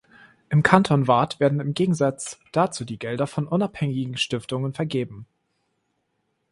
Im Kanton Waadt werden im Gegensatz dazu die Gelder von unabhängigen Stiftungen vergeben.